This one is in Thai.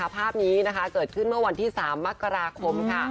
ภาพนี้เกิดขึ้นเมื่อวันที่๓มกราคม